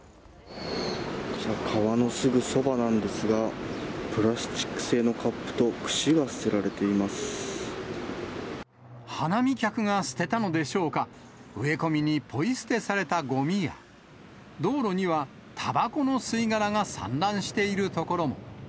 こちら、川のすぐそばなんですが、プラスチック製のカップと串が捨てられ花見客が捨てたのでしょうか、植え込みにポイ捨てされたごみや、道路には、たばこの吸い殻が散乱している所も。